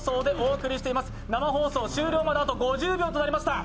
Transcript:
生放送終了まで５０秒となりました。